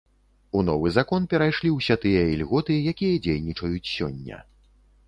У новы закон перайшлі ўсе тыя ільготы, якія дзейнічаюць сёння.